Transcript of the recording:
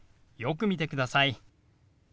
よく見てください。